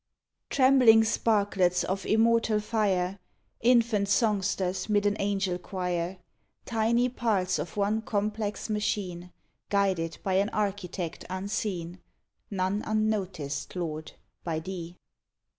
Trembling sparklets of immortal fire; Infant songsters 'mid an angel choir; Tiny parts of one complex machine Guided by an architect unseen. None unnoticed, Lord, by Thee.